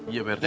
iya pak rete